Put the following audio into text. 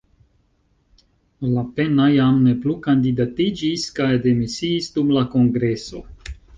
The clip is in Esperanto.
Lapenna jam ne plu kandidatiĝis kaj demisiis dum la kongreso.